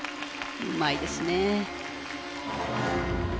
うまいですね。